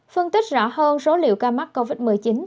phân tích rõ hơn số liệu ca mắc covid một mươi chín tử vong tại tp hcm